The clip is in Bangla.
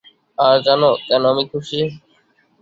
আর জানো কেন আমি খুশি?